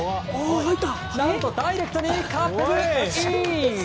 何とダイレクトにカップイン！